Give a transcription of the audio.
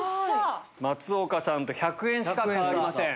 松岡さんと１００円しか変わりません。